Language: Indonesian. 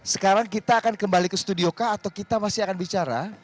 sekarang kita akan kembali ke studio kah atau kita masih akan bicara